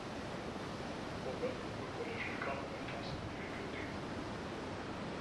Hogan, the College began the task of rebuilding.